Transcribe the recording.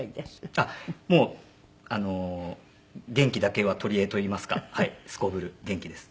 あっもうあの元気だけは取りえといいますかすこぶる元気です。